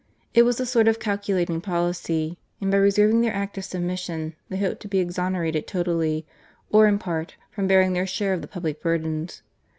It was a sort of calculating policy ; and by reserving their act of submission, they hoped to be exonerated totally, or in part, from bearing their share of the public burdens.